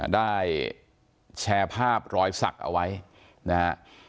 ได้แชร์ภาพรอยสักเอาไว้นะฮะ